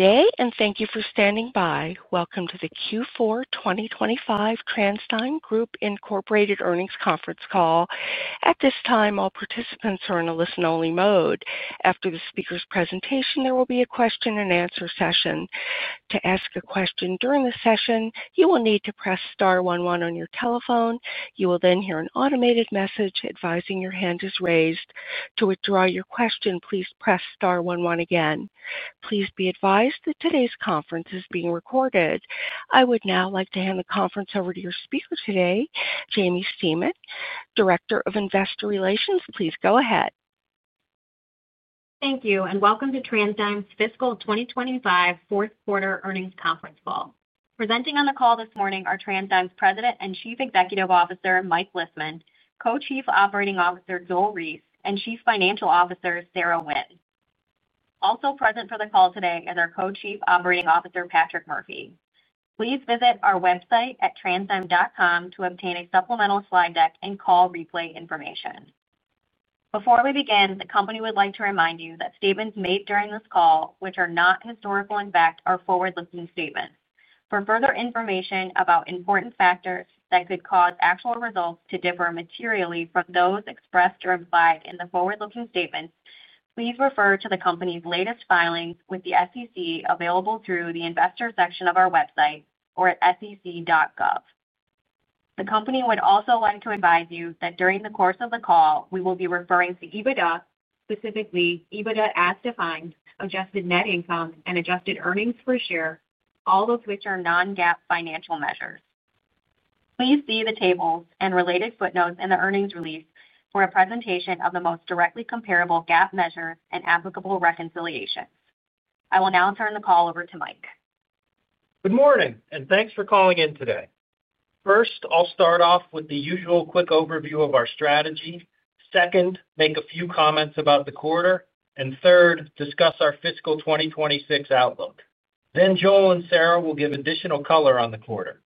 Today, and thank you for standing by. Welcome to the Q4 2025 TransDigm Group Earnings Conference Call. At this time, all participants are in a listen-only mode. After the speaker's presentation, there will be a question-and-answer session. To ask a question during the session, you will need to press star 11 on your telephone. You will then hear an automated message advising your hand is raised. To withdraw your question, please press star 11 again. Please be advised that today's conference is being recorded. I would now like to hand the conference over to your speaker today, Jaimie Stemen, Director of Investor Relations. Please go ahead. Thank you, and welcome to TransDigm's Fiscal 2025 Fourth Quarter Earnings Conference Call. Presenting on the call this morning are TransDigm's President and Chief Executive Officer Mike Lisman, Co-Chief Operating Officer Joel Reiss, and Chief Financial Officer Sarah Wynne. Also present for the call today is our Co-Chief Operating Officer, Patrick Murphy. Please visit our website at Transdigm.com to obtain a supplemental slide deck and call replay information. Before we begin, the company would like to remind you that statements made during this call, which are not historical in fact, are forward-looking statements. For further information about important factors that could cause actual results to differ materially from those expressed or implied in the forward-looking statements, please refer to the company's latest filings with the SEC available through the investor section of our website or at sec.gov. The company would also like to advise you that during the course of the call, we will be referring to EBITDA, specifically EBITDA as defined, adjusted net income, and adjusted earnings per share, all of which are non-GAAP financial measures. Please see the tables and related footnotes in the earnings release for a presentation of the most directly comparable GAAP measures and applicable reconciliations. I will now turn the call over to Mike. Good morning, and thanks for calling in today. First, I'll start off with the usual quick overview of our strategy. Second, make a few comments about the quarter. Third, discuss our fiscal 2026 outlook. Joel and Sarah will give additional color on the quarter.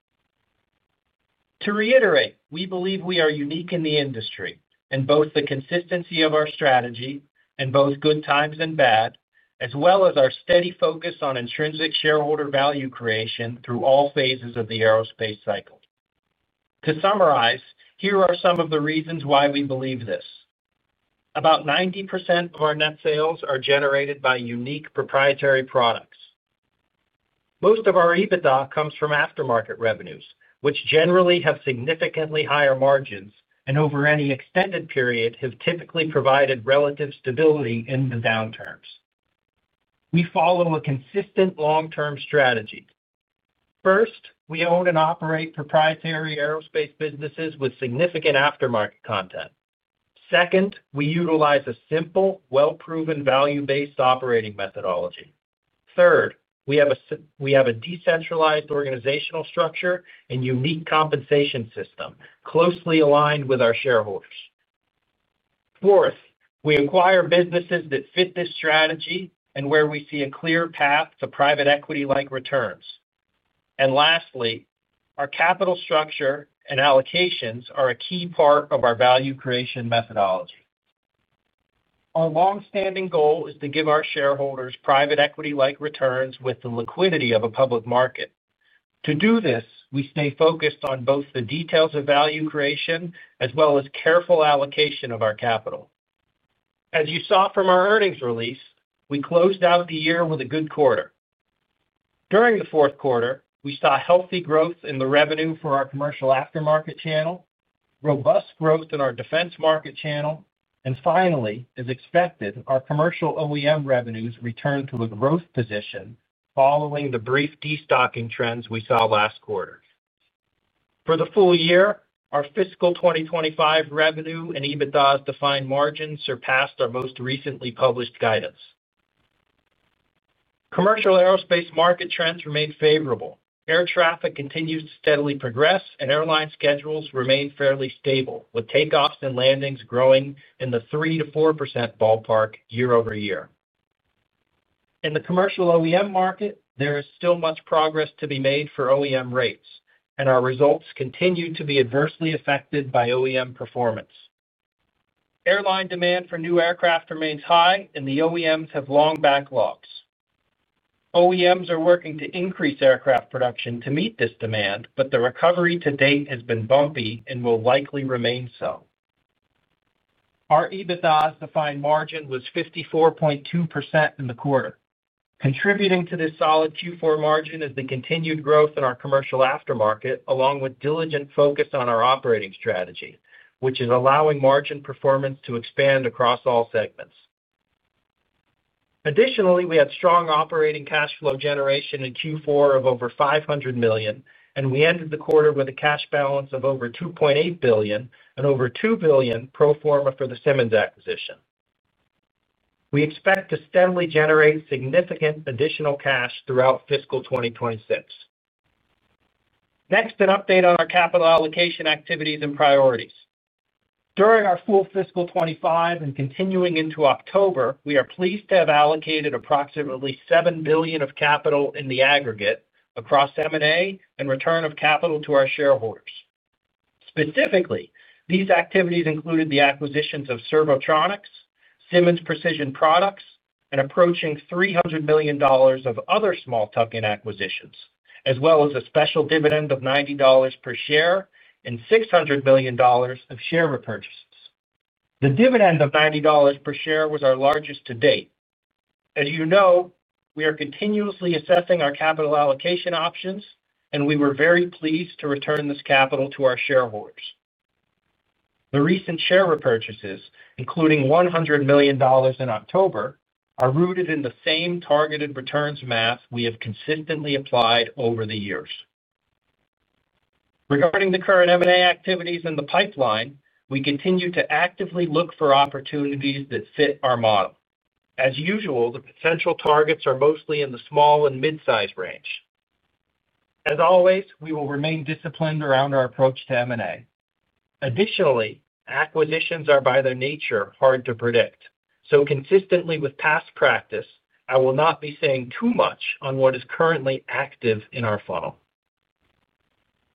To reiterate, we believe we are unique in the industry in both the consistency of our strategy in both good times and bad, as well as our steady focus on intrinsic shareholder value creation through all phases of the aerospace cycle. To summarize, here are some of the reasons why we believe this: about 90% of our net sales are generated by unique proprietary products. Most of our EBITDA comes from aftermarket revenues, which generally have significantly higher margins and over any extended period have typically provided relative stability in the downturns. We follow a consistent long-term strategy. First, we own and operate proprietary aerospace businesses with significant aftermarket content. Second, we utilize a simple, well-proven value-based operating methodology. Third, we have a decentralized organizational structure and unique compensation system closely aligned with our shareholders. Fourth, we acquire businesses that fit this strategy and where we see a clear path to private equity-like returns. Lastly, our capital structure and allocations are a key part of our value creation methodology. Our long-standing goal is to give our shareholders private equity-like returns with the liquidity of a public market. To do this, we stay focused on both the details of value creation as well as careful allocation of our capital. As you saw from our earnings release, we closed out the year with a good quarter. During the fourth quarter, we saw healthy growth in the revenue for our commercial aftermarket channel, robust growth in our defense market channel, and finally, as expected, our commercial OEM revenues returned to a growth position following the brief destocking trends we saw last quarter. For the full year, our fiscal 2025 revenue and EBITDA as defined margins surpassed our most recently published guidance. Commercial aerospace market trends remain favorable. Air traffic continues to steadily progress, and airline schedules remain fairly stable, with takeoffs and landings growing in the 3% to 4% ballpark year over year. In the commercial OEM market, there is still much progress to be made for OEM rates, and our results continue to be adversely affected by OEM performance. Airline demand for new aircraft remains high, and the OEMs have long backlogs. OEMs are working to increase aircraft production to meet this demand, but the recovery to date has been bumpy and will likely remain so. Our EBITDA as defined margin was 54.2% in the quarter. Contributing to this solid Q4 margin is the continued growth in our commercial aftermarket, along with diligent focus on our operating strategy, which is allowing margin performance to expand across all segments. Additionally, we had strong operating cash flow generation in Q4 of over $500 million, and we ended the quarter with a cash balance of over $2.8 billion and over $2 billion pro forma for the Simmons acquisition. We expect to steadily generate significant additional cash throughout fiscal 2026. Next, an update on our capital allocation activities and priorities. During our full fiscal 2025 and continuing into October, we are pleased to have allocated approximately $7 billion of capital in the aggregate across M&A and return of capital to our shareholders. Specifically, these activities included the acquisitions of Servotronics, Simmonds Precision Products, and approaching $300 million of other small tuck-in acquisitions, as well as a special dividend of $90 per share and $600 million of share repurchases. The dividend of $90 per share was our largest to date. As you know, we are continuously assessing our capital allocation options, and we were very pleased to return this capital to our shareholders. The recent share repurchases, including $100 million in October, are rooted in the same targeted returns math we have consistently applied over the years. Regarding the current M&A activities in the pipeline, we continue to actively look for opportunities that fit our model. As usual, the potential targets are mostly in the small and mid-size range. As always, we will remain disciplined around our approach to M&A. Additionally, acquisitions are by their nature hard to predict, so consistently with past practice, I will not be saying too much on what is currently active in our funnel.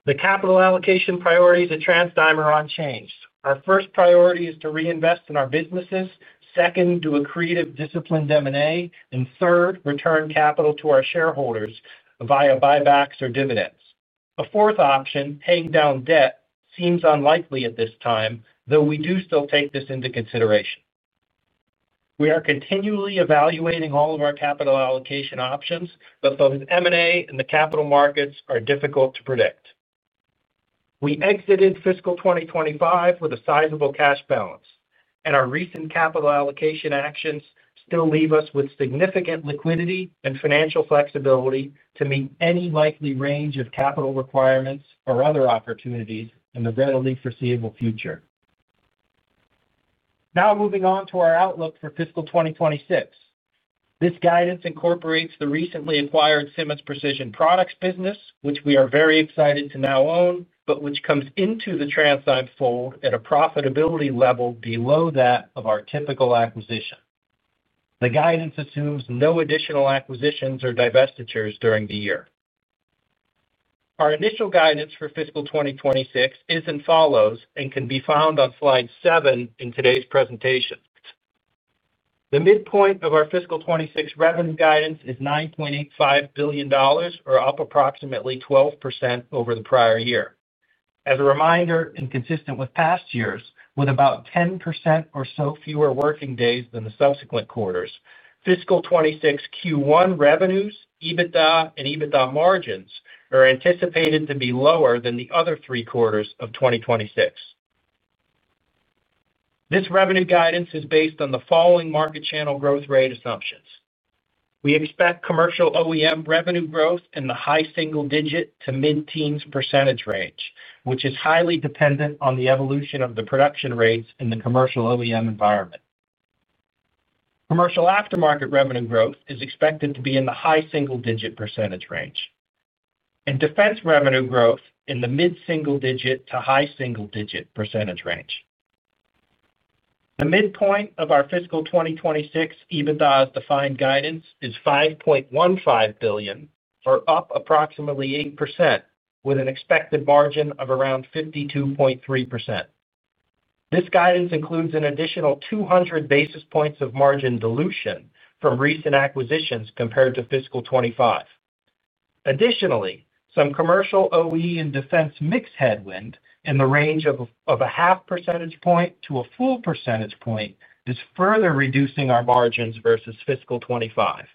The capital allocation priorities at TransDigm are unchanged. Our first priority is to reinvest in our businesses, second, do accretive disciplined M&A, and third, return capital to our shareholders via buybacks or dividends. A fourth option, paying down debt, seems unlikely at this time, though we do still take this into consideration. We are continually evaluating all of our capital allocation options, but both M&A and the capital markets are difficult to predict. We exited fiscal 2025 with a sizable cash balance, and our recent capital allocation actions still leave us with significant liquidity and financial flexibility to meet any likely range of capital requirements or other opportunities in the readily foreseeable future. Now moving on to our outlook for fiscal 2026. This guidance incorporates the recently acquired Simmons Precision Products business, which we are very excited to now own, but which comes into the TransDigm fold at a profitability level below that of our typical acquisition. The guidance assumes no additional acquisitions or divestitures during the year. Our initial guidance for fiscal 2026 is as follows and can be found on slide seven in today's presentation. The midpoint of our fiscal 2026 revenue guidance is $9.85 billion, or up approximately 12% over the prior year. As a reminder, and consistent with past years, with about 10% or so fewer working days than the subsequent quarters, fiscal 2026 Q1 revenues, EBITDA, and EBITDA margins are anticipated to be lower than the other three quarters of 2026. This revenue guidance is based on the following market channel growth rate assumptions. We expect commercial OEM revenue growth in the high single-digit to mid-teens percentage range, which is highly dependent on the evolution of the production rates in the commercial OEM environment. Commercial aftermarket revenue growth is expected to be in the high single-digit percentage range, and defense revenue growth in the mid-single-digit to high single-digit percentage range. The midpoint of our fiscal 2026 EBITDA as defined guidance is $5.15 billion, or up approximately 8%, with an expected margin of around 52.3%. This guidance includes an additional 200 basis points of margin dilution from recent acquisitions compared to fiscal 2025. Additionally, some commercial OE and defense mix headwind in the range of a half percentage point to a full percentage point is further reducing our margins versus fiscal 2025.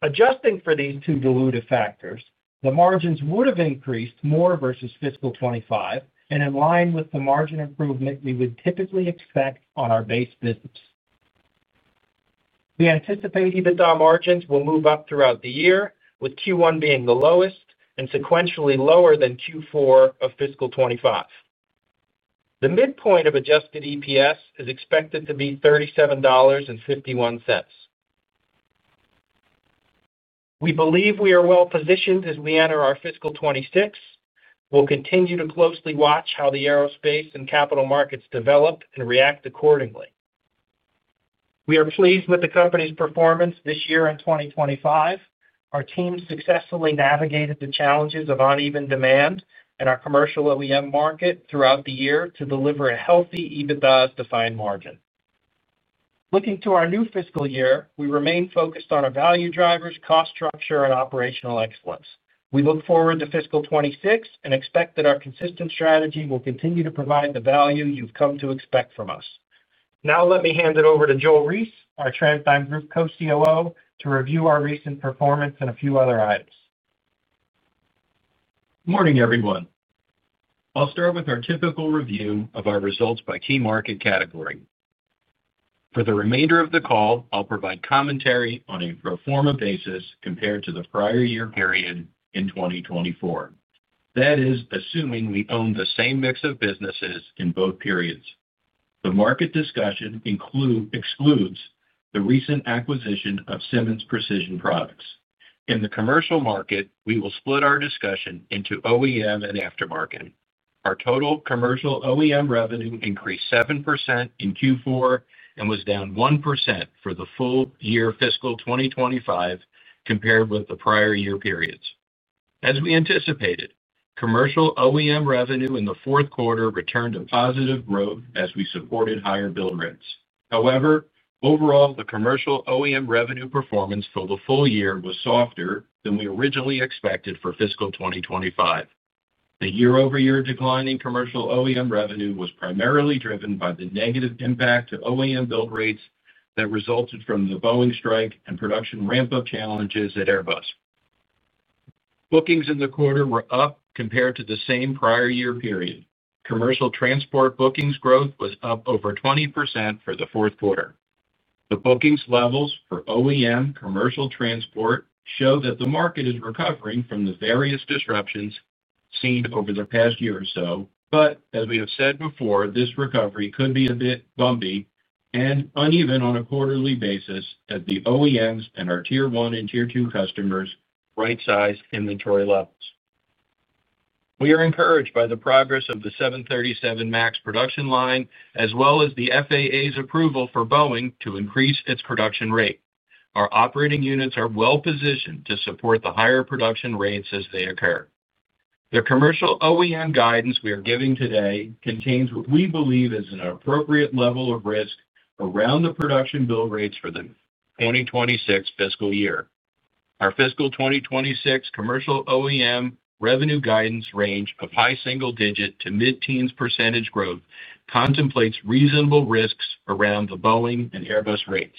Adjusting for these two dilutive factors, the margins would have increased more versus fiscal 2025 and in line with the margin improvement we would typically expect on our base business. We anticipate EBITDA margins will move up throughout the year, with Q1 being the lowest and sequentially lower than Q4 of fiscal 2025. The midpoint of adjusted EPS is expected to be $37.51. We believe we are well positioned as we enter our fiscal 2026. We'll continue to closely watch how the aerospace and capital markets develop and react accordingly. We are pleased with the company's performance this year and 2025. Our team successfully navigated the challenges of uneven demand in our commercial OEM market throughout the year to deliver a healthy EBITDA as defined margin. Looking to our new fiscal year, we remain focused on our value drivers, cost structure, and operational excellence. We look forward to fiscal 2026 and expect that our consistent strategy will continue to provide the value you've come to expect from us. Now let me hand it over to Joel Reiss, our TransDigm Group Co-COO, to review our recent performance and a few other items. Morning, everyone. I'll start with our typical review of our results by key market category. For the remainder of the call, I'll provide commentary on a pro forma basis compared to the prior year period in 2024. That is, assuming we own the same mix of businesses in both periods. The market discussion excludes the recent acquisition of Simmons Precision Products. In the commercial market, we will split our discussion into OEM and aftermarket. Our total commercial OEM revenue increased 7% in Q4 and was down 1% for the full year fiscal 2025 compared with the prior year periods. As we anticipated, commercial OEM revenue in the fourth quarter returned a positive growth as we supported higher bill rates. However, overall, the commercial OEM revenue performance for the full year was softer than we originally expected for fiscal 2025. The year-over-year declining commercial OEM revenue was primarily driven by the negative impact to OEM build rates that resulted from the Boeing strike and production ramp-up challenges at Airbus. Bookings in the quarter were up compared to the same prior year period. Commercial transport bookings growth was up over 20% for the fourth quarter. The bookings levels for OEM commercial transport show that the market is recovering from the various disruptions seen over the past year or so, but as we have said before, this recovery could be a bit bumpy and uneven on a quarterly basis as the OEMs and our tier one and tier two customers right-size inventory levels. We are encouraged by the progress of the 737 MAX production line, as well as the FAA's approval for Boeing to increase its production rate. Our operating units are well positioned to support the higher production rates as they occur. The commercial OEM guidance we are giving today contains what we believe is an appropriate level of risk around the production bill rates for the 2026 fiscal year. Our fiscal 2026 commercial OEM revenue guidance range of high single-digit to mid-teens % growth contemplates reasonable risks around the Boeing and Airbus rates.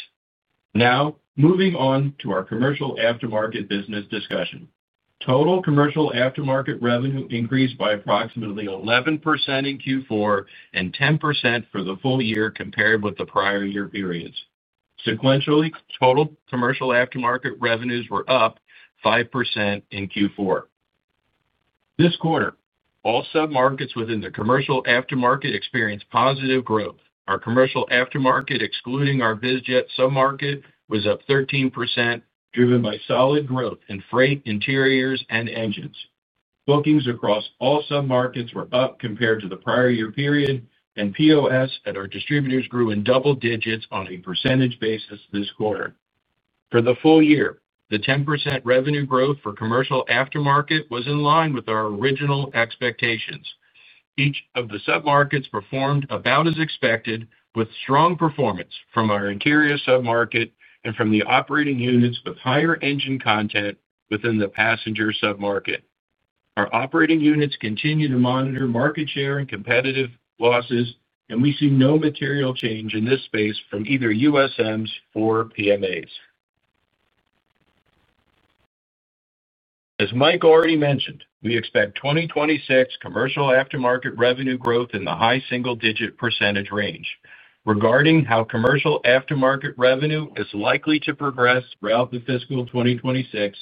Now moving on to our commercial aftermarket business discussion. Total commercial aftermarket revenue increased by approximately 11% in Q4 and 10% for the full year compared with the prior year periods. Sequentially, total commercial aftermarket revenues were up 5% in Q4. This quarter, all submarkets within the commercial aftermarket experienced positive growth. Our commercial aftermarket, excluding our VizJet submarket, was up 13%, driven by solid growth in freight, interiors, and engines. Bookings across all submarkets were up compared to the prior year period, and POS at our distributors grew in double digits on a percentage basis this quarter. For the full year, the 10% revenue growth for commercial aftermarket was in line with our original expectations. Each of the submarkets performed about as expected, with strong performance from our interior submarket and from the operating units with higher engine content within the passenger submarket. Our operating units continue to monitor market share and competitive losses, and we see no material change in this space from either USMs or PMAs. As Mike already mentioned, we expect 2026 commercial aftermarket revenue growth in the high single-digit % range. Regarding how commercial aftermarket revenue is likely to progress throughout the fiscal 2026,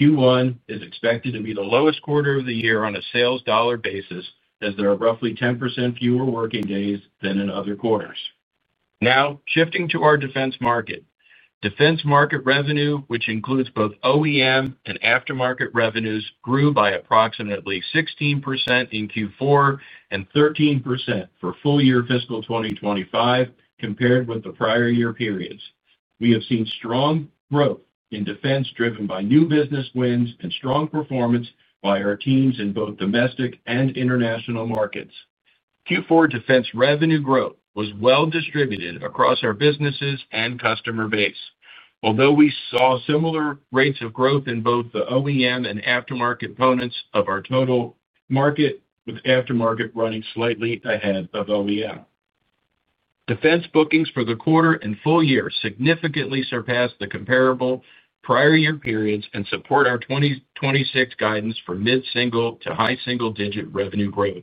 Q1 is expected to be the lowest quarter of the year on a sales dollar basis, as there are roughly 10% fewer working days than in other quarters. Now shifting to our defense market. Defense market revenue, which includes both OEM and aftermarket revenues, grew by approximately 16% in Q4 and 13% for full year fiscal 2025 compared with the prior year periods. We have seen strong growth in defense driven by new business wins and strong performance by our teams in both domestic and international markets. Q4 defense revenue growth was well distributed across our businesses and customer base, although we saw similar rates of growth in both the OEM and aftermarket components of our total market, with aftermarket running slightly ahead of OEM. Defense bookings for the quarter and full year significantly surpassed the comparable prior year periods and support our 2026 guidance for mid-single to high single-digit revenue growth.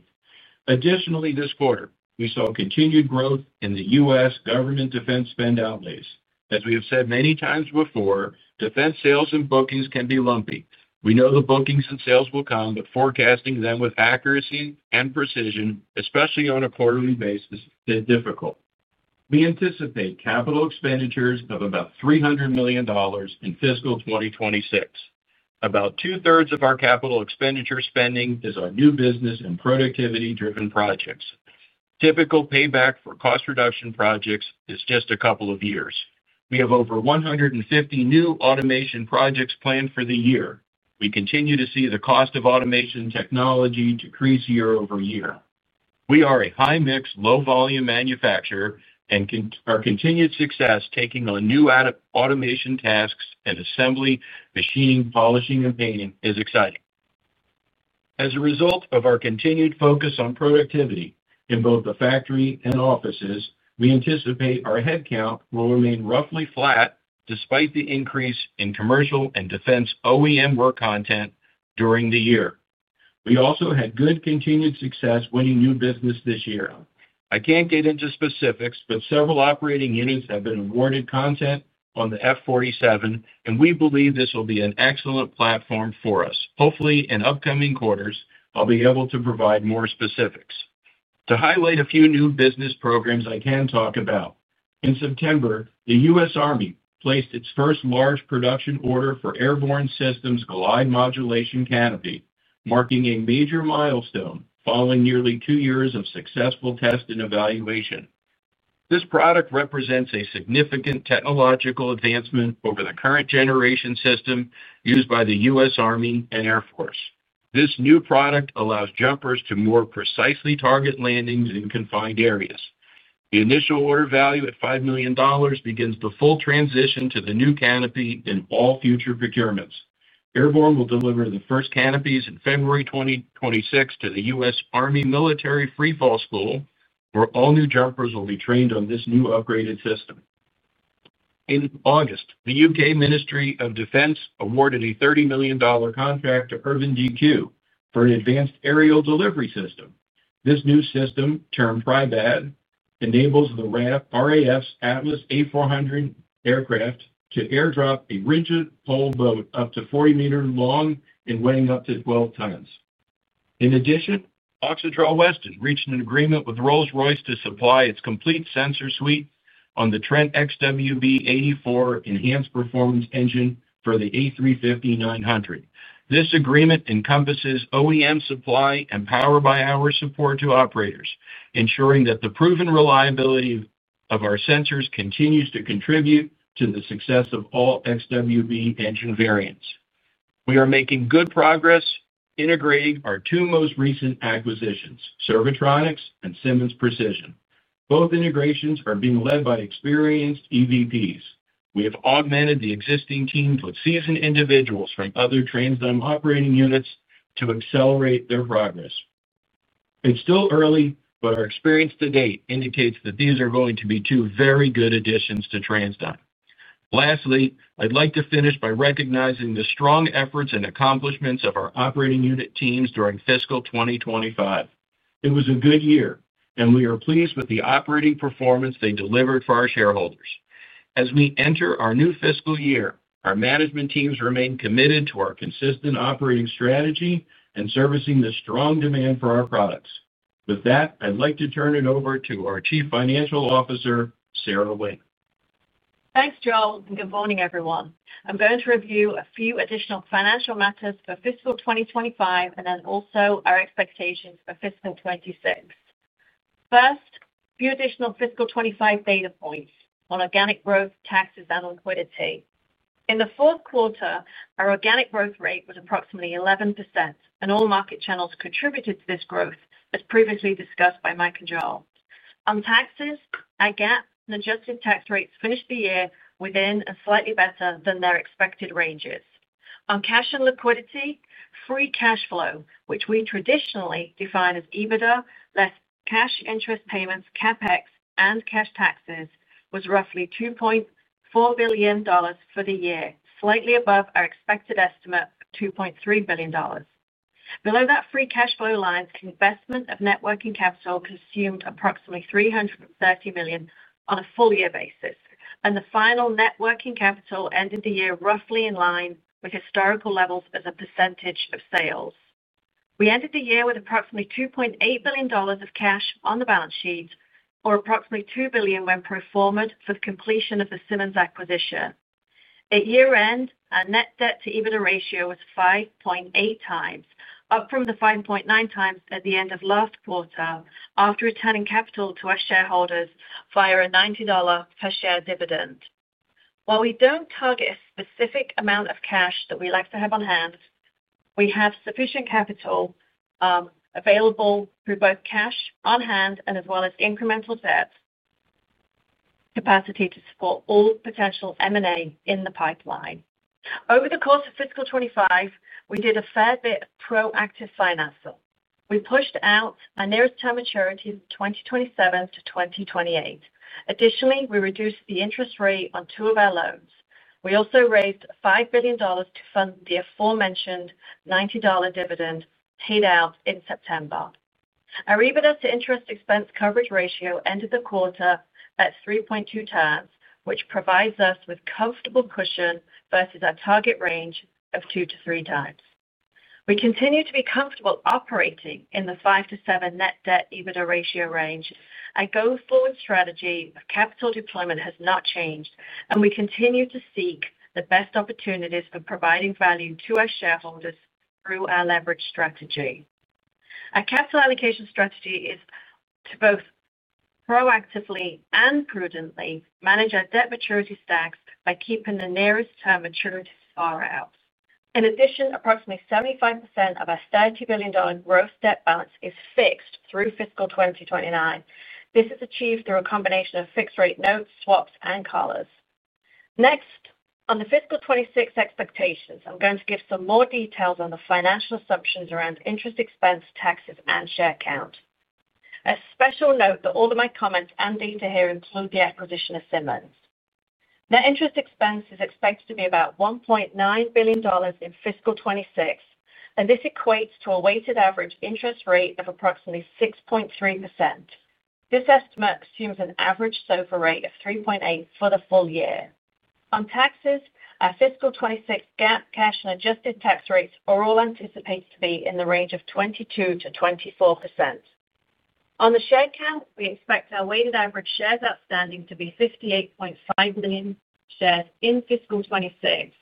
Additionally, this quarter, we saw continued growth in the US government defense spend outlays. As we have said many times before, defense sales and bookings can be lumpy. We know the bookings and sales will come, but forecasting them with accuracy and precision, especially on a quarterly basis, is difficult. We anticipate capital expenditures of about $300 million in fiscal 2026. About two-thirds of our capital expenditure spending is on new business and productivity-driven projects. Typical payback for cost reduction projects is just a couple of years. We have over 150 new automation projects planned for the year. We continue to see the cost of automation technology decrease year over year. We are a high-mix, low-volume manufacturer, and our continued success taking on new automation tasks in assembly, machining, polishing, and painting is exciting. As a result of our continued focus on productivity in both the factory and offices, we anticipate our headcount will remain roughly flat despite the increase in commercial and defense OEM work content during the year. We also had good continued success winning new business this year. I can't get into specifics, but several operating units have been awarded content on the F-47, and we believe this will be an excellent platform for us. Hopefully, in upcoming quarters, I'll be able to provide more specifics. To highlight a few new business programs, I can talk about. In September, the U.S. Army placed its first large production order for Airborne Systems Glide Modulation Canopy, marking a major milestone following nearly two years of successful test and evaluation. This product represents a significant technological advancement over the current generation system used by the U.S. Army and Air Force. This new product allows jumpers to more precisely target landings in confined areas. The initial order value at $5 million begins the full transition to the new canopy in all future procurements. Airborne will deliver the first canopies in February 2026 to the U.S. Army Military Free Fall School, where all new jumpers will be trained on this new upgraded system. In August, the UK Ministry of Defence awarded a $30 million contract to IrvinGQ for an advanced aerial delivery system. This new system, termed PRIBAD, enables the RAF's Atlas A400 aircraft to airdrop a rigid pole boat up to 40 m long and weighing up to 12 tons. In addition, IrvinGQ has reached an agreement with Rolls-Royce to supply its complete sensor suite on the Trent XWB-84 enhanced performance engine for the A350-900. This agreement encompasses OEM supply and power-by-hour support to operators, ensuring that the proven reliability of our sensors continues to contribute to the success of all XWB engine variants. We are making good progress integrating our two most recent acquisitions, Servotronics and Simmons Precision Products. Both integrations are being led by experienced EVPs. We have augmented the existing team with seasoned individuals from other TransDigm operating units to accelerate their progress. It's still early, but our experience to date indicates that these are going to be two very good additions to TransDigm. Lastly, I'd like to finish by recognizing the strong efforts and accomplishments of our operating unit teams during fiscal 2025. It was a good year, and we are pleased with the operating performance they delivered for our shareholders. As we enter our new fiscal year, our management teams remain committed to our consistent operating strategy and servicing the strong demand for our products. With that, I'd like to turn it over to our Chief Financial Officer, Sarah Wynne. Thanks, Joel, and good morning, everyone. I'm going to review a few additional financial matters for fiscal 2025 and then also our expectations for fiscal 2026. First, a few additional fiscal 2025 data points on organic growth, taxes, and liquidity. In the fourth quarter, our organic growth rate was approximately 11%, and all market channels contributed to this growth, as previously discussed by Mike and Joel. On taxes, our GAAP and adjusted tax rates finished the year within and slightly better than their expected ranges. On cash and liquidity, free cash flow, which we traditionally define as EBITDA, less cash interest payments, CapEx, and cash taxes, was roughly $2.4 billion for the year, slightly above our expected estimate of $2.3 billion. Below that free cash flow line, investment of net working capital consumed approximately $330 million on a full year basis, and the final net working capital ended the year roughly in line with historical levels as a percentage of sales. We ended the year with approximately $2.8 billion of cash on the balance sheet, or approximately $2 billion when pro forma for the completion of the Simmons Precision Products acquisition. At year-end, our net debt-to-EBITDA ratio was 5.8 times, up from the 5.9 times at the end of last quarter after returning capital to our shareholders via a $90 per share dividend. While we do not target a specific amount of cash that we like to have on hand, we have sufficient capital available through both cash on hand and as well as incremental debt capacity to support all potential M&A in the pipeline. Over the course of fiscal 2025, we did a fair bit of proactive financing. We pushed out our nearest term maturity from 2027 to 2028. Additionally, we reduced the interest rate on two of our loans. We also raised $5 billion to fund the aforementioned $90 dividend paid out in September. Our EBITDA to interest expense coverage ratio ended the quarter at 3.2 times, which provides us with comfortable cushion versus our target range of 2 to 3 times. We continue to be comfortable operating in the 5 to 7 net debt EBITDA ratio range. Our go-forward strategy of capital deployment has not changed, and we continue to seek the best opportunities for providing value to our shareholders through our leverage strategy. Our capital allocation strategy is to both proactively and prudently manage our debt maturity stacks by keeping the nearest term maturity far out. In addition, approximately 75% of our $30 billion gross debt balance is fixed through fiscal 2029. This is achieved through a combination of fixed-rate notes, swaps, and collars. Next, on the fiscal 2026 expectations, I'm going to give some more details on the financial assumptions around interest expense, taxes, and share count. A special note that all of my comments and data here include the acquisition of Simmons. Their interest expense is expected to be about $1.9 billion in fiscal 2026, and this equates to a weighted average interest rate of approximately 6.3%. This estimate assumes an average SOFR rate of 3.8% for the full year. On taxes, our fiscal 2026 GAAP, cash, and adjusted tax rates are all anticipated to be in the range of 22% to 24%. On the share count, we expect our weighted average shares outstanding to be 58.5 million shares in fiscal 2026.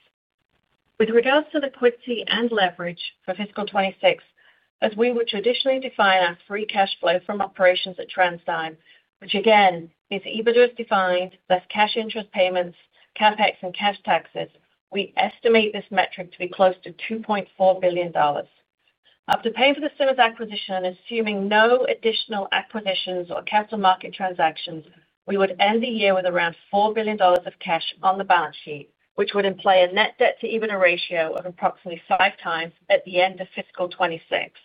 With regards to liquidity and leverage for fiscal 2026, as we would traditionally define our free cash flow from operations at TransDigm, which again is EBITDA as defined, less cash interest payments, CapEx, and cash taxes, we estimate this metric to be close to $2.4 billion. After paying for the Simmons acquisition and assuming no additional acquisitions or capital market transactions, we would end the year with around $4 billion of cash on the balance sheet, which would imply a net debt-to-EBITDA ratio of approximately five times at the end of fiscal 2026.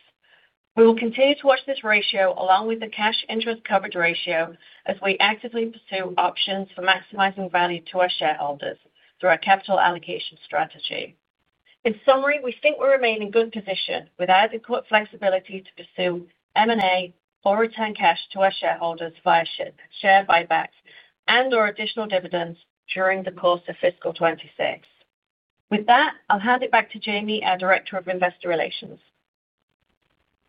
We will continue to watch this ratio along with the cash interest coverage ratio as we actively pursue options for maximizing value to our shareholders through our capital allocation strategy. In summary, we think we're remaining in good position with adequate flexibility to pursue M&A or return cash to our shareholders via share buybacks and/or additional dividends during the course of fiscal 2026. With that, I'll hand it back to Jamie, our Director of Investor Relations.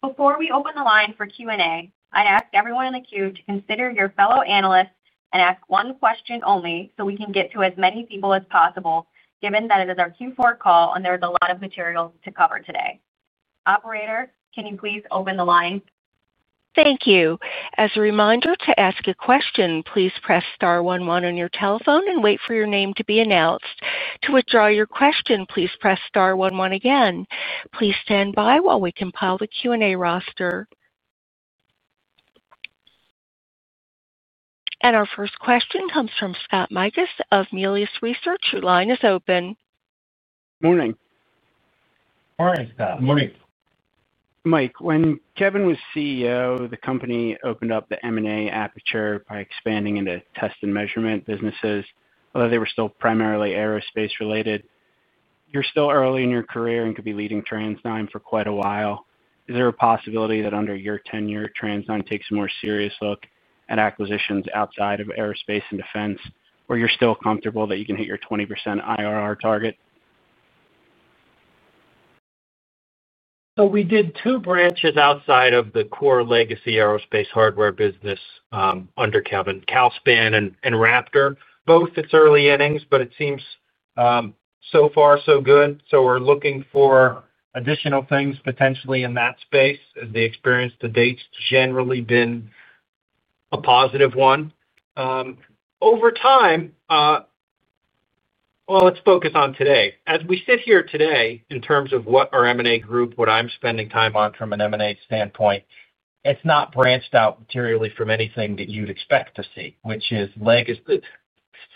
Before we open the line for Q and A, I'd ask everyone in the queue to consider your fellow analysts and ask one question only so we can get to as many people as possible, given that it is our Q4 call and there is a lot of material to cover today. Operator, can you please open the line? Thank you. As a reminder to ask a question, please press star 11 on your telephone and wait for your name to be announced. To withdraw your question, please press star 11 again. Please stand by while we compile the Q and A roster. Our first question comes from Scott Mikus of Melius Research. Your line is open. Good morning. Morning, Scott. Good morning. Mike, when Kevin was CEO, the company opened up the M&A aperture by expanding into test and measurement businesses, although they were still primarily aerospace-related. You're still early in your career and could be leading TransDigm for quite a while. Is there a possibility that under your tenure, TransDigm takes a more serious look at acquisitions outside of aerospace and defense, or you're still comfortable that you can hit your 20% IRR target? We did two branches outside of the core legacy aerospace hardware business under Kevin, Calspan and Raptor. Both, it's early innings, but it seems so far so good. We're looking for additional things potentially in that space as the experience to date has generally been a positive one. Over time, let's focus on today. As we sit here today, in terms of what our M&A group, what I'm spending time on from an M&A standpoint, it's not branched out materially from anything that you'd expect to see, which is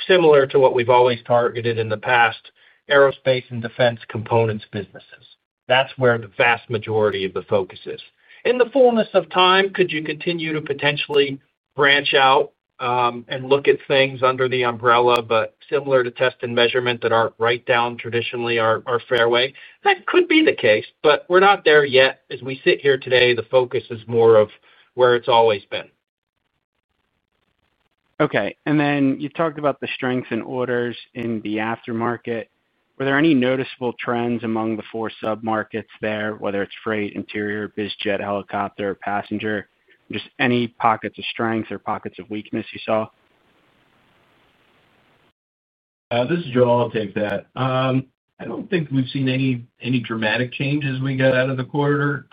similar to what we've always targeted in the past, aerospace and defense components businesses. That's where the vast majority of the focus is. In the fullness of time, could you continue to potentially branch out and look at things under the umbrella, but similar to test and measurement that aren't right down traditionally our fairway? That could be the case, but we're not there yet. As we sit here today, the focus is more of where it's always been. Okay. You talked about the strengths and orders in the aftermarket. Were there any noticeable trends among the four sub-markets there, whether it's freight, interior, bizjet, helicopter, passenger? Just any pockets of strength or pockets of weakness you saw? This is Joel. I'll take that. I don't think we've seen any dramatic changes we got out of the quarter.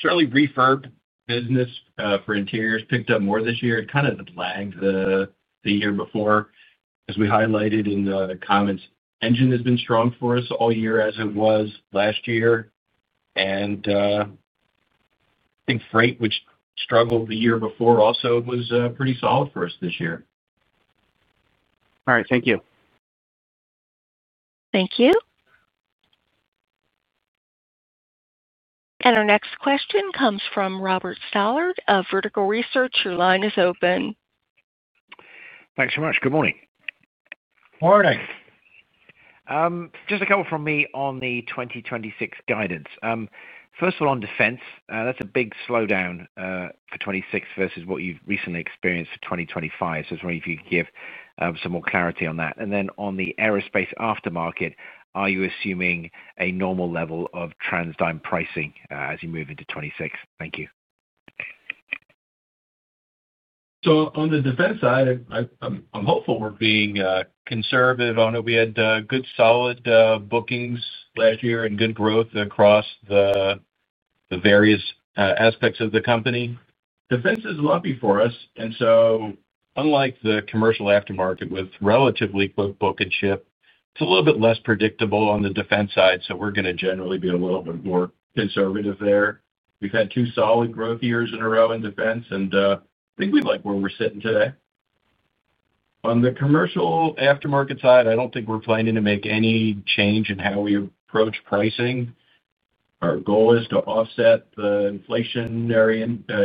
Certainly, refurb business for interiors picked up more this year. It kind of lagged the year before, as we highlighted in the comments. Engine has been strong for us all year as it was last year. I think freight, which struggled the year before, also was pretty solid for us this year. All right. Thank you. Thank you. Our next question comes from Robert Stallard of Vertical Research. Your line is open. Thanks so much. Good morning. Morning. Just a couple from me on the 2026 guidance. First of all, on defense, that's a big slowdown for 2026 versus what you've recently experienced for 2025. I just wanted you to give some more clarity on that. On the aerospace aftermarket, are you assuming a normal level of TransDigm pricing as you move into 2026? Thank you. On the defense side, I'm hopeful we're being conservative. I know we had good solid bookings last year and good growth across the various aspects of the company. Defense is lumpy for us. Unlike the commercial aftermarket with relatively quick book and ship, it's a little bit less predictable on the defense side. We are going to generally be a little bit more conservative there. We've had two solid growth years in a row in defense, and I think we like where we're sitting today. On the commercial aftermarket side, I don't think we're planning to make any change in how we approach pricing. Our goal is to offset the inflationary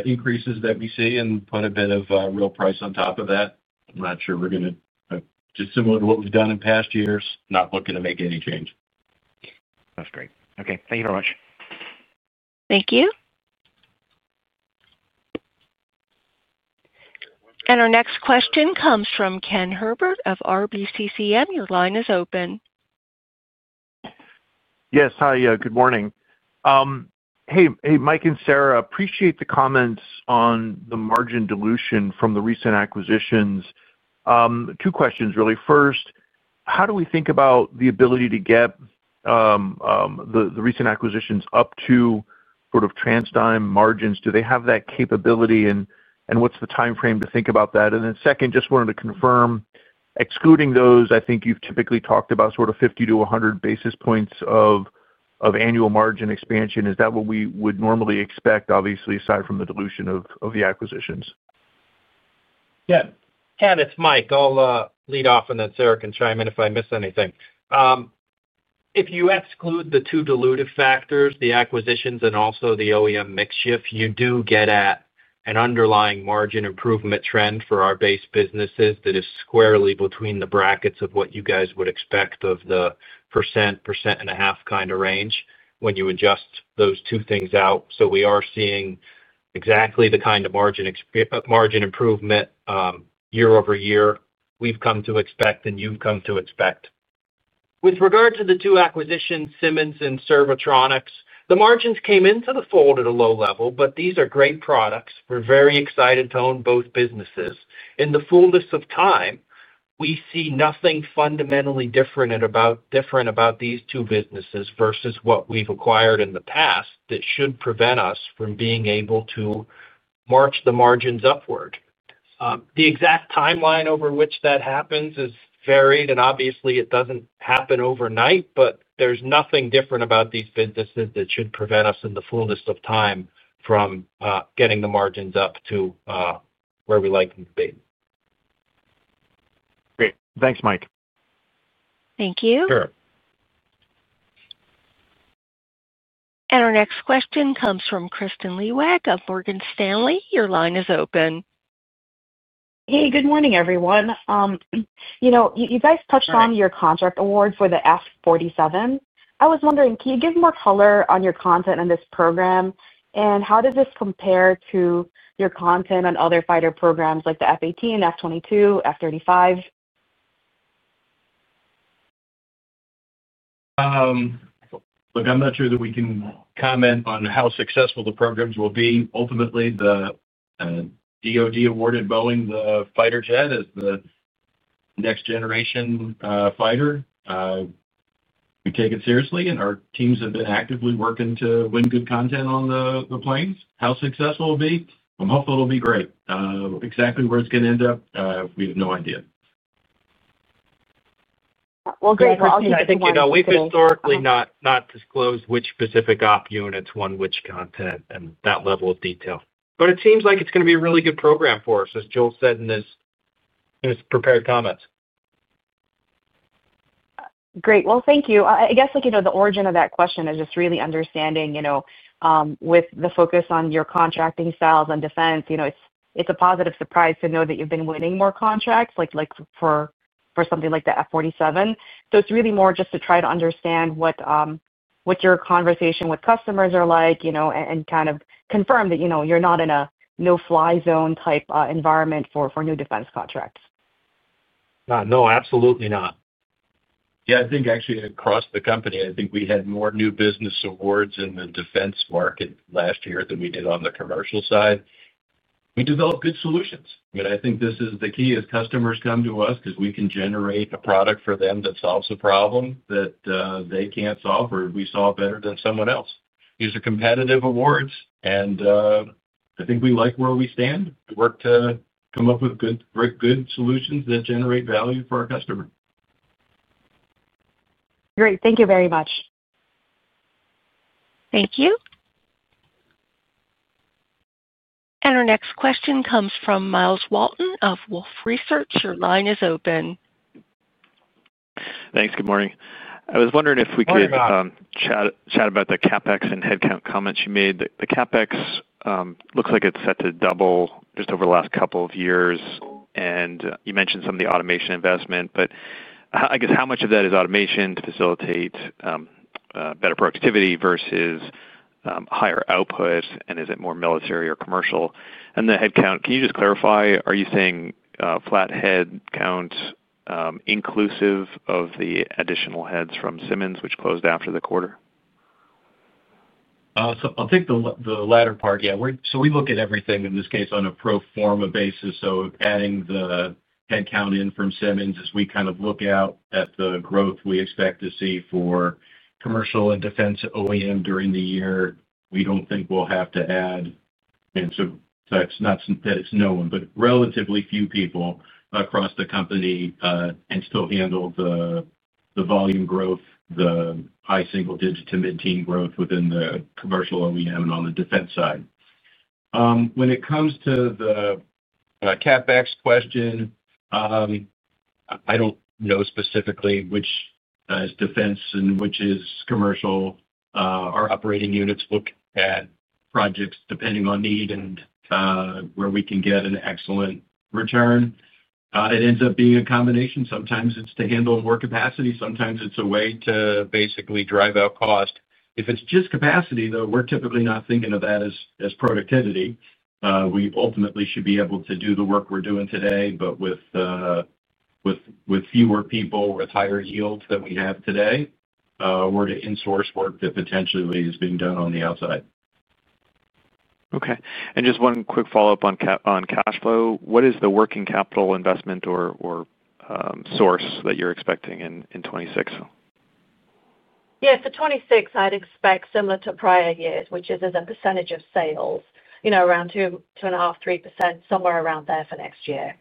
increases that we see and put a bit of real price on top of that. I'm not sure we're going to, just similar to what we've done in past years, not looking to make any change. That's great. Okay. Thank you very much. Thank you. Our next question comes from Ken Herbert of RBC Capital Markets. Your line is open. Yes. Hi. Good morning. Hey, Mike and Sarah. Appreciate the comments on the margin dilution from the recent acquisitions. Two questions, really. First, how do we think about the ability to get the recent acquisitions up to sort of TransDigm margins? Do they have that capability, and what's the timeframe to think about that? Then second, just wanted to confirm, excluding those, I think you've typically talked about sort of 50 to 100 basis points of annual margin expansion. Is that what we would normally expect, obviously, aside from the dilution of the acquisitions? Yeah. Ken, it's Mike. I'll lead off, and then Sarah can chime in if I miss anything. If you exclude the two dilutive factors, the acquisitions and also the OEM mix shift, you do get at an underlying margin improvement trend for our base businesses that is squarely between the brackets of what you guys would expect of the percent, percent and a half kind of range when you adjust those two things out. We are seeing exactly the kind of margin improvement year over year we've come to expect and you've come to expect. With regard to the two acquisitions, Simmons and Servotronics, the margins came into the fold at a low level, but these are great products. We're very excited to own both businesses. In the fullness of time, we see nothing fundamentally different about these two businesses versus what we've acquired in the past that should prevent us from being able to march the margins upward. The exact timeline over which that happens is varied, and obviously, it doesn't happen overnight, but there's nothing different about these businesses that should prevent us in the fullness of time from getting the margins up to where we like them to be. Great. Thanks, Mike. Thank you. Sure. Our next question comes from Kristine Liwag of Morgan Stanley. Your line is open. Hey, good morning, everyone. You guys touched on your contract award for the F-47. I was wondering, can you give more color on your content in this program, and how does this compare to your content on other fighter programs like the F-18, F-22, F-35? Look, I'm not sure that we can comment on how successful the programs will be. Ultimately, the DOD-awarded Boeing fighter jet is the next-generation fighter. We take it seriously, and our teams have been actively working to win good content on the planes. How successful it will be? I'm hopeful it'll be great. Exactly where it's going to end up, we have no idea. Great. I'll take that. I think we've historically not disclosed which specific op units, one, which content, and that level of detail. It seems like it's going to be a really good program for us, as Joel said in his prepared comments. Great. Thank you. I guess the origin of that question is just really understanding with the focus on your contracting styles on defense, it's a positive surprise to know that you've been winning more contracts for something like the F-47. It is really more just to try to understand what your conversation with customers are like and kind of confirm that you are not in a no-fly zone type environment for new defense contracts. No, absolutely not. Yeah, I think actually across the company, I think we had more new business awards in the defense market last year than we did on the commercial side. We develop good solutions. I mean, I think this is the key as customers come to us because we can generate a product for them that solves a problem that they cannot solve, or we solve better than someone else. These are competitive awards, and I think we like where we stand. We work to come up with good solutions that generate value for our customers. Great. Thank you very much. Thank you. Our next question comes from Miles Walton of Wolfe Research. Your line is open. Thanks. Good morning. I was wondering if we could chat about the CapEx and headcount comments you made. The CapEx looks like it's set to double just over the last couple of years, and you mentioned some of the automation investment, but I guess how much of that is automation to facilitate better productivity versus higher output, and is it more military or commercial? The headcount, can you just clarify? Are you saying flat headcount inclusive of the additional heads from Simmons, which closed after the quarter? I'll take the latter part. Yeah. We look at everything in this case on a pro forma basis. Adding the headcount in from Simmons as we kind of look out at the growth we expect to see for commercial and defense OEM during the year. We do not think we will have to add, and so that is not that it is no one, but relatively few people across the company can still handle the volume growth, the high single-digit to mid-teen growth within the commercial OEM and on the defense side. When it comes to the CapEx question, I do not know specifically which is defense and which is commercial. Our operating units look at projects depending on need and where we can get an excellent return. It ends up being a combination. Sometimes it is to handle more capacity. Sometimes it is a way to basically drive out cost. If it is just capacity, though, we are typically not thinking of that as productivity. We ultimately should be able to do the work we are doing today, but with fewer people, with higher yields than we have today, we are to insource work that potentially is being done on the outside. Okay. Just one quick follow-up on cash flow. What is the working capital investment or source that you're expecting in 2026? Yeah. For 2026, I'd expect similar to prior years, which is, as a percentage of sales, around 2.5% to 3%, somewhere around there for next year.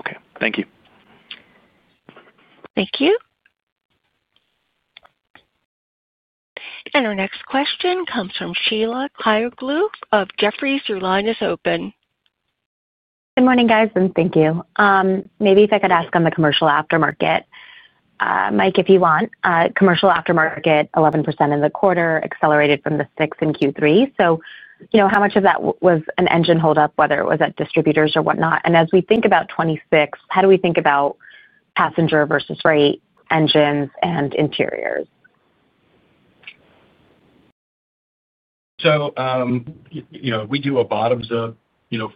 Okay. Thank you. Thank you. Our next question comes from Sheila Kahyaoglu of Jefferies. Your line is open. Good morning, guys, and thank you. Maybe if I could ask on the commercial aftermarket. Mike, if you want, commercial aftermarket, 11% in the quarter, accelerated from the 6% in Q3. How much of that was an engine holdup, whether it was at distributors or whatnot? As we think about 2026, how do we think about passenger versus freight engines and interiors? We do a bottoms-up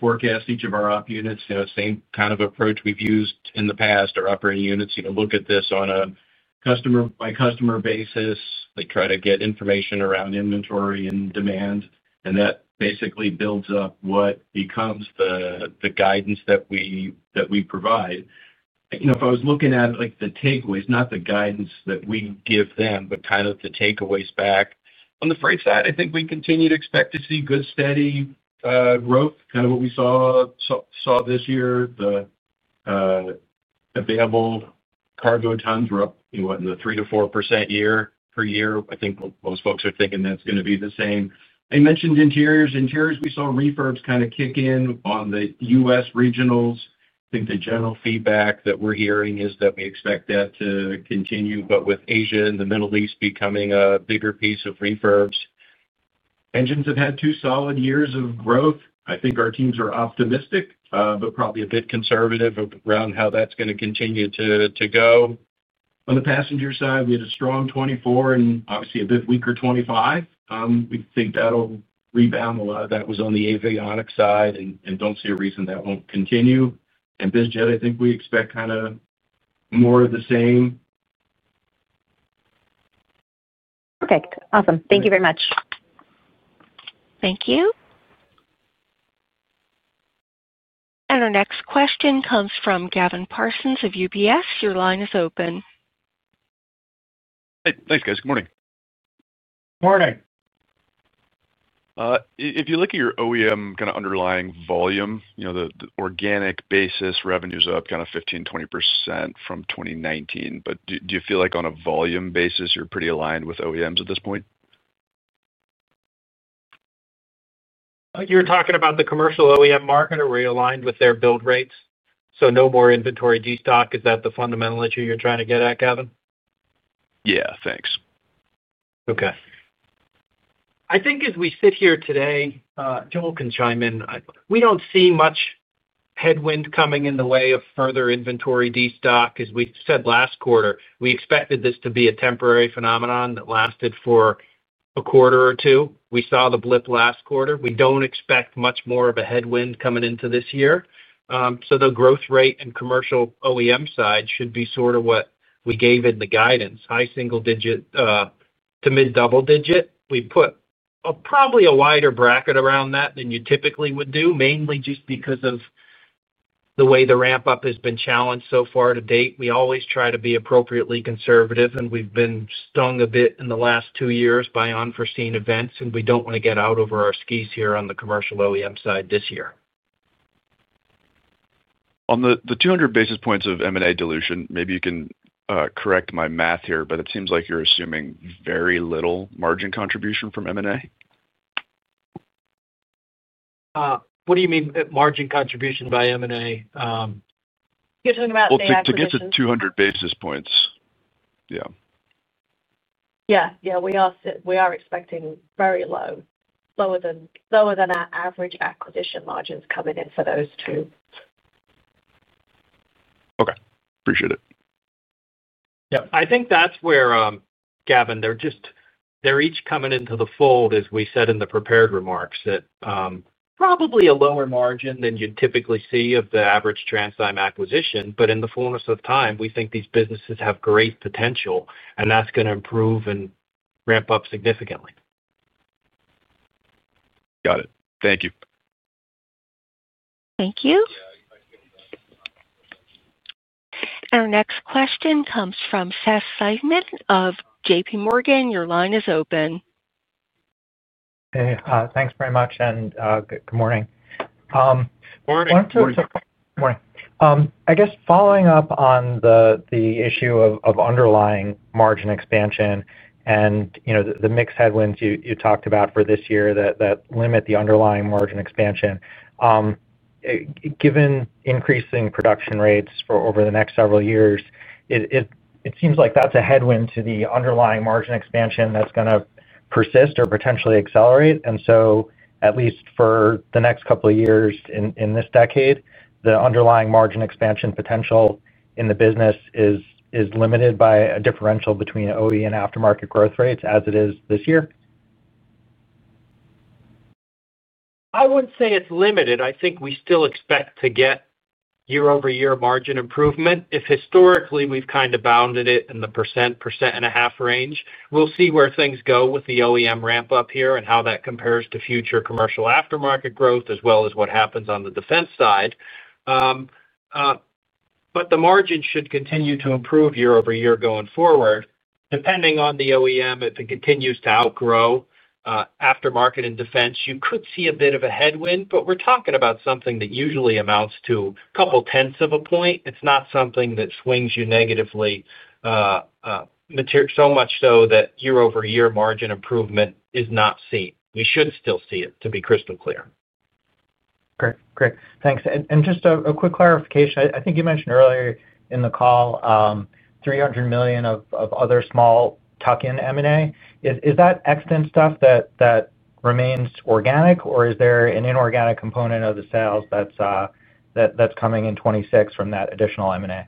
forecast for each of our op units. Same kind of approach we've used in the past, our operating units. Look at this on a customer-by-customer basis. They try to get information around inventory and demand, and that basically builds up what becomes the guidance that we provide. If I was looking at the takeaways, not the guidance that we give them, but kind of the takeaways back. On the freight side, I think we continue to expect to see good steady growth, kind of what we saw this year. The available cargo tons were up in the 3% to 4% year per year. I think most folks are thinking that's going to be the same. I mentioned interiors. Interiors, we saw refurbs kind of kick in on the U.S. regionals. I think the general feedback that we're hearing is that we expect that to continue, but with Asia and the Middle East becoming a bigger piece of refurbs, engines have had two solid years of growth. I think our teams are optimistic, but probably a bit conservative around how that's going to continue to go. On the passenger side, we had a strong 2024 and obviously a bit weaker 2025. We think that'll rebound. A lot of that was on the avionic side, and I don't see a reason that won't continue. And Bizjet, I think we expect kind of more of the same. Perfect. Awesome. Thank you very much. Thank you. Our next question comes from Gavin Parsons of UBS. Your line is open. Thanks, guys. Good morning. Good morning. If you look at your OEM kind of underlying volume, the organic basis revenues up kind of 15% to 20% from 2019. But do you feel like on a volume basis, you're pretty aligned with OEMs at this point? You're talking about the commercial OEM market, are we aligned with their build rates? So no more inventory destock. Is that the fundamental issue you're trying to get at, Gavin? Yeah. Thanks. Okay. I think as we sit here today, Joel can chime in. We don't see much headwind coming in the way of further inventory destock. As we said last quarter, we expected this to be a temporary phenomenon that lasted for a quarter or two. We saw the blip last quarter. We don't expect much more of a headwind coming into this year. The growth rate and commercial OEM side should be sort of what we gave in the guidance, high single-digit to mid-double digit. We put probably a wider bracket around that than you typically would do, mainly just because of the way the ramp-up has been challenged so far to date. We always try to be appropriately conservative, and we've been stung a bit in the last two years by unforeseen events, and we do not want to get out over our skis here on the commercial OEM side this year. On the 200 basis points of M&A dilution, maybe you can correct my math here, but it seems like you are assuming very little margin contribution from M&A? What do you mean margin contribution by M&A? You are talking about the average margin. To get to 200 basis points. Yeah. Yeah. Yeah. We are expecting very low, lower than our average acquisition margins coming in for those two. Okay. Appreciate it. Yep. I think that's where, Gavin, they're each coming into the fold, as we said in the prepared remarks, at probably a lower margin than you'd typically see of the average TransDigm acquisition. In the fullness of time, we think these businesses have great potential, and that's going to improve and ramp up significantly. Got it. Thank you. Thank you. Our next question comes from Seth Seifman of JPMorgan. Your line is open. Hey. Thanks very much, and good morning. Morning. Good morning. I guess following up on the issue of underlying margin expansion and the mixed headwinds you talked about for this year that limit the underlying margin expansion, given increasing production rates for over the next several years, it seems like that's a headwind to the underlying margin expansion that's going to persist or potentially accelerate. At least for the next couple of years in this decade, the underlying margin expansion potential in the business is limited by a differential between OE and aftermarket growth rates as it is this year? I wouldn't say it's limited. I think we still expect to get year-over-year margin improvement. If historically we've kind of bounded it in the percent, percent and a half range, we'll see where things go with the OEM ramp-up here and how that compares to future commercial aftermarket growth as well as what happens on the defense side. The margin should continue to improve year-over-year going forward. Depending on the OEM, if it continues to outgrow aftermarket and defense, you could see a bit of a headwind, but we are talking about something that usually amounts to a couple tenths of a point. It is not something that swings you negatively so much so that year-over-year margin improvement is not seen. We should still see it, to be crystal clear. Okay. Great. Thanks. Just a quick clarification. I think you mentioned earlier in the call, $300 million of other small tuck-in M&A. Is that excellent stuff that remains organic, or is there an inorganic component of the sales that is coming in 2026 from that additional M&A?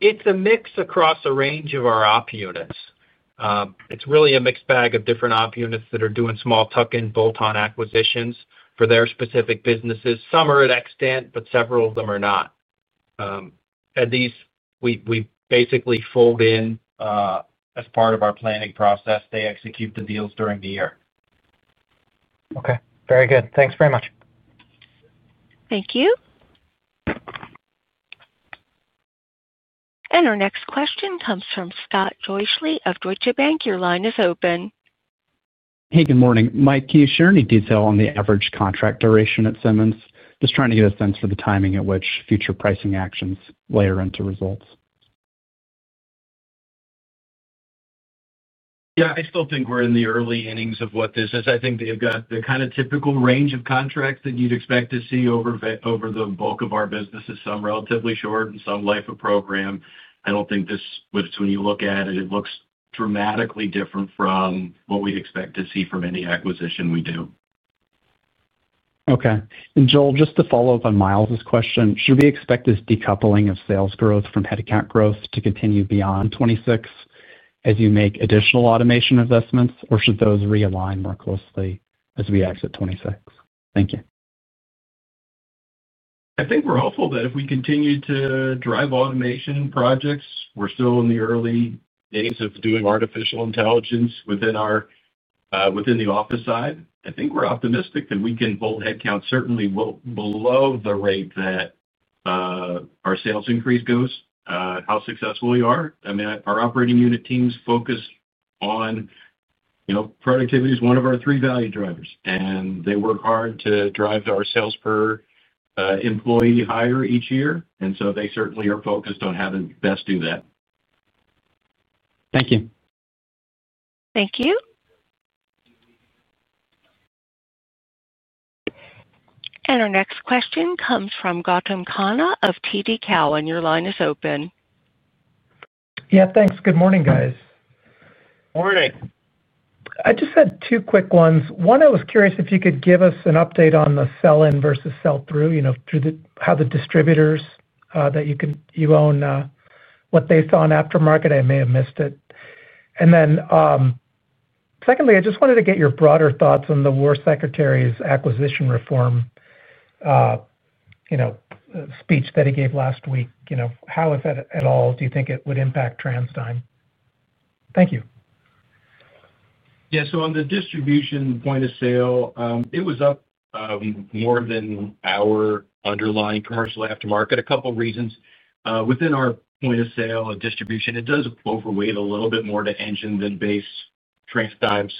It is a mix across a range of our op units. It is really a mixed bag of different op units that are doing small tuck-in bolt-on acquisitions for their specific businesses. Some are at extent, but several of them are not. These we basically fold in as part of our planning process. They execute the deals during the year. Okay. Very good. Thanks very much. Thank you. Our next question comes from Scott Joyce of Deutsche Bank. Your line is open. Hey. Good morning. Mike, can you share any detail on the average contract duration at Simmons? Just trying to get a sense for the timing at which future pricing actions layer into results. Yeah. I still think we're in the early innings of what this is. I think they've got the kind of typical range of contracts that you'd expect to see over the bulk of our businesses. Some relatively short and some life of program. I don't think this, when you look at it, it looks dramatically different from what we'd expect to see from any acquisition we do. Okay. And Joel, just to follow up on Miles's question, should we expect this decoupling of sales growth from headcount growth to continue beyond 2026 as you make additional automation investments, or should those realign more closely as we exit 2026? Thank you. I think we're hopeful that if we continue to drive automation projects, we're still in the early days of doing artificial intelligence within the office side. I think we're optimistic that we can hold headcount certainly below the rate that our sales increase goes. How successful we are, I mean, our operating unit teams focus on productivity as one of our three value drivers, and they work hard to drive our sales per employee higher each year. They certainly are focused on how to best do that. Thank you. Thank you. Our next question comes from Gautam Khanna of TD Cowen. Your line is open. Yeah. Thanks. Good morning, guys. Morning. I just had two quick ones. One, I was curious if you could give us an update on the sell-in versus sell-through, how the distributors that you own, what they saw in aftermarket. I may have missed it. And then secondly, I just wanted to get your broader thoughts on the War Secretary's acquisition reform speech that he gave last week. How, if at all, do you think it would impact TransDigm? Thank you. Yeah. On the distribution point of sale, it was up more than our underlying commercial aftermarket. A couple of reasons. Within our point of sale and distribution, it does overweight a little bit more to engine than base TransDigm.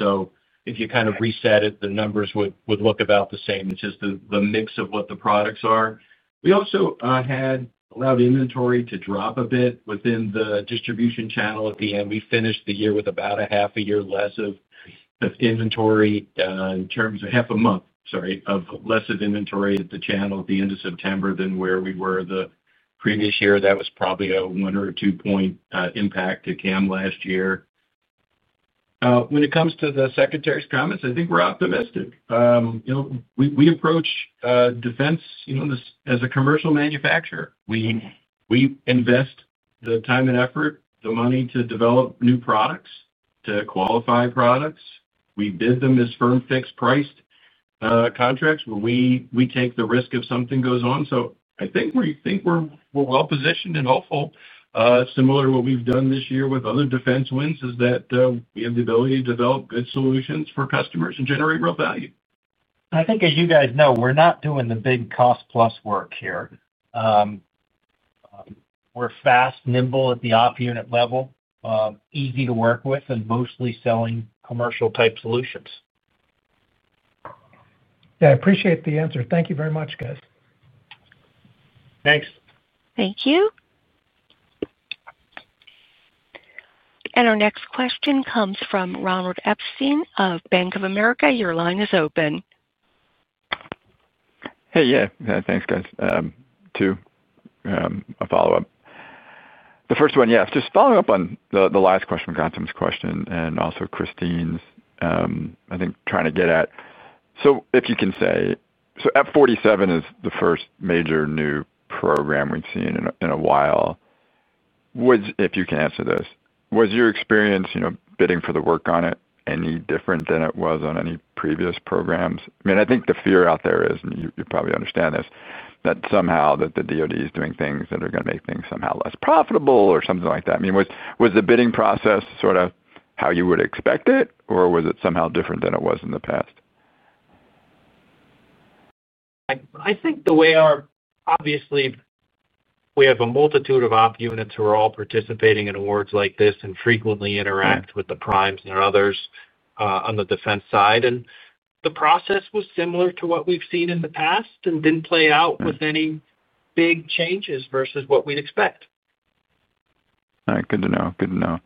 If you kind of reset it, the numbers would look about the same. It is just the mix of what the products are. We also had allowed inventory to drop a bit within the distribution channel at the end. We finished the year with about half a month less of inventory at the channel at the end of September than where we were the previous year. That was probably a one or two-point impact to Cam last year. When it comes to the secretary's comments, I think we are optimistic. We approach defense as a commercial manufacturer. We invest the time and effort, the money to develop new products, to qualify products. We bid them as firm fixed-priced contracts where we take the risk if something goes on. I think we're well-positioned and hopeful. Similar to what we've done this year with other defense wins is that we have the ability to develop good solutions for customers and generate real value. I think, as you guys know, we're not doing the big cost-plus work here. We're fast, nimble at the op unit level, easy to work with, and mostly selling commercial-type solutions. Yeah. I appreciate the answer. Thank you very much, guys. Thanks. Thank you. Our next question comes from Ronald Epstein of Bank of America. Your line is open. Hey. Yeah. Thanks, guys. To a follow-up. The first one, yes. Just following up on the last question, Gautam's question, and also Kristine's, I think, trying to get at. If you can say, F-47 is the first major new program we've seen in a while. If you can answer this, was your experience bidding for the work on it any different than it was on any previous programs? I mean, I think the fear out there is, and you probably understand this, that somehow the DOD is doing things that are going to make things somehow less profitable or something like that. I mean, was the bidding process sort of how you would expect it, or was it somehow different than it was in the past? I think the way our, obviously, we have a multitude of op units who are all participating in awards like this and frequently interact with the primes and others on the defense side. The process was similar to what we've seen in the past and did not play out with any big changes versus what we'd expect. Good to know. Good to know.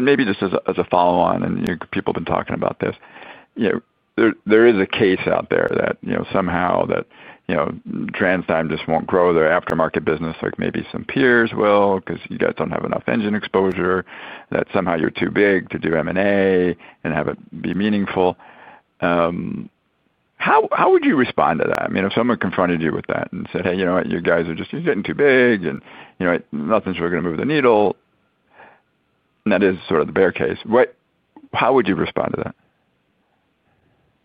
Maybe just as a follow-on, and people have been talking about this, there is a case out there that somehow TransDigm just will not grow their aftermarket business like maybe some peers will because you guys do not have enough engine exposure, that somehow you are too big to do M&A and have it be meaningful. How would you respond to that? I mean, if someone confronted you with that and said, "Hey, you know what? You guys are just getting too big, and nothing is really going to move the needle," and that is sort of the bear case, how would you respond to that?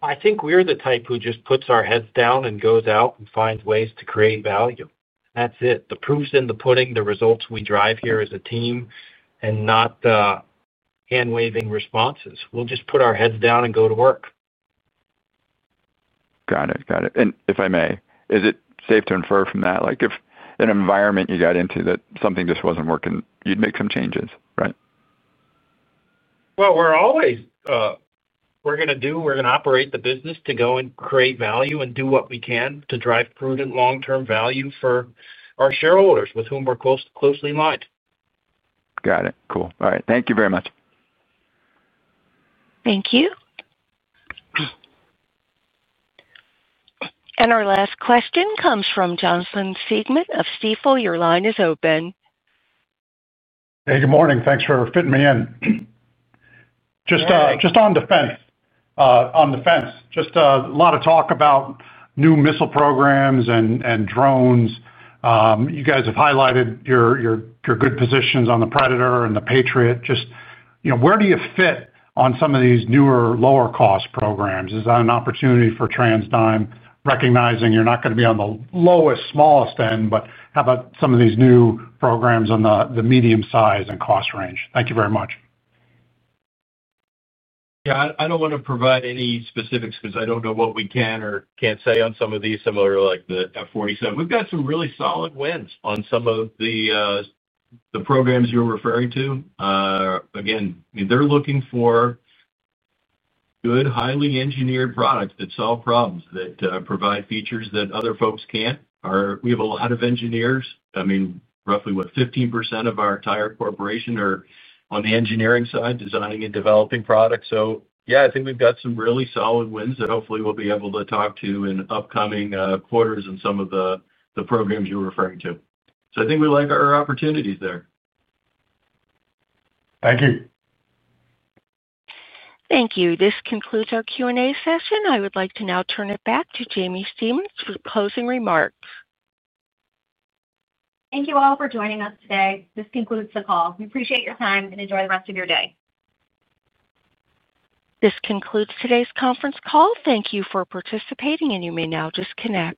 I think we're the type who just puts our heads down and goes out and finds ways to create value. That's it. The proof's in the pudding. The results we drive here as a team and not the hand-waving responses. We'll just put our heads down and go to work. Got it. Got it. If I may, is it safe to infer from that, if in an environment you got into that something just wasn't working, you'd make some changes, right? We're always going to operate the business to go and create value and do what we can to drive prudent long-term value for our shareholders with whom we're closely aligned. Got it. Cool. All right. Thank you very much. Thank you. Our last question comes from Jonathan Siegmann of Stifel. Your line is open. Hey. Good morning. Thanks for fitting me in. Just on defense, just a lot of talk about new missile programs and drones. You guys have highlighted your good positions on the Predator and the Patriot. Just where do you fit on some of these newer, lower-cost programs? Is that an opportunity for TransDigm, recognizing you're not going to be on the lowest, smallest end, but how about some of these new programs on the medium-sized and cost range? Thank you very much. Yeah. I don't want to provide any specifics because I don't know what we can or can't say on some of these similar to the F-47. We've got some really solid wins on some of the programs you're referring to. Again, I mean, they're looking for good, highly engineered products that solve problems, that provide features that other folks can't. We have a lot of engineers. I mean, roughly what, 15% of our entire corporation are on the engineering side, designing and developing products. So yeah, I think we've got some really solid wins that hopefully we'll be able to talk to in upcoming quarters in some of the programs you're referring to. So I think we like our opportunities there. Thank you. Thank you. This concludes our Q and A session. I would like to now turn it back to Jaimie Stemen for closing remarks. Thank you all for joining us today. This concludes the call. We appreciate your time and enjoy the rest of your day. This concludes today's conference call. Thank you for participating, and you may now disconnect.